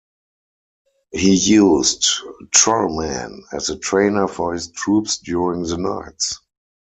He used Trollman as a trainer for his troops during the nights.